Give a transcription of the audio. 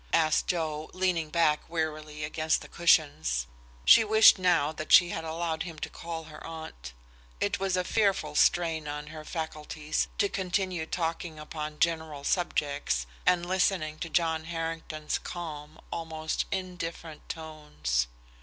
asked Joe, leaning back wearily against the cushions. She wished now that she had allowed him to call her aunt. It was a fearful strain on her faculties to continue talking upon general subjects and listening to John Harrington's calm, almost indifferent tones.